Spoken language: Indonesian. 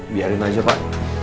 biarin aja pak